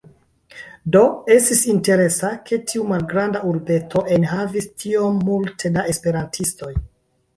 Do, estis interesa, ke tiu malgranda urbeto enhavis tiom multe da Esperantistoj.